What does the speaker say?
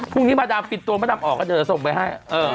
พรุ่งนี้มดดำพิษตัวมดดำออกก็จะส่งไปให้